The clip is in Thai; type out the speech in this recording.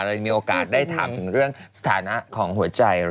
เลยมีโอกาสได้ถามถึงเรื่องสถานะของหัวใจ